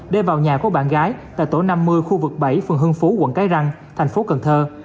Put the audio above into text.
để vào nhà của bạn gái tại tổ năm mươi khu vực bảy phường hưng phú quận cái răng thành phố cần thơ